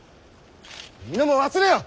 皆も忘れよ！